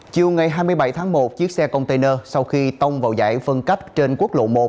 chiều ngày hai mươi bảy tháng một chiếc xe container sau khi tông vào giải phân cách trên quốc lộ một